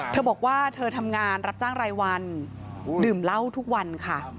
เธอบอกว่าเธอทำงานรับจ้างรายวันดื่มเหล้าทุกวันค่ะ